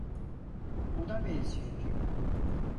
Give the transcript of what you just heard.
Ona benziyor.